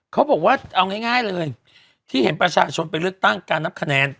เขาบอกว่าเอาง่ายเลยที่เห็นประชาชนไปเลือกตั้งการนับคะแนน